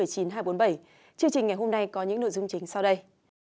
chương trình ngày hôm nay có những nội dung chính sau đây